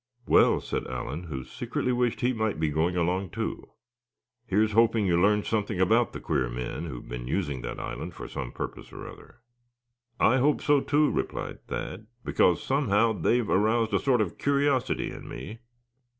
"Well," said Allan, who secretly wished he might be going along too; "here's hoping you learn something about the queer men who have been using that island for some purpose or other." "I hope so, too," replied Thad; "because, somehow, they've aroused a sort of curiosity in me.